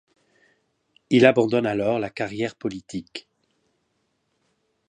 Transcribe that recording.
Il abandonne alors la carrière politique.